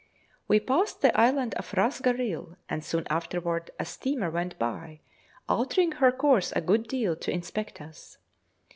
We passed the island of Rhas Garril, and soon afterwards a steamer went by, altering her course a good deal to inspect us.